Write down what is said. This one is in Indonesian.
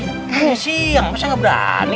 kayaknya siang masa nggak berani